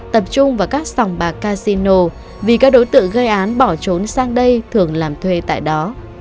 tập trung vào các sòng bạc casino vì các đối tượng gây án bỏ trốn sang đây thường làm thuê tại đó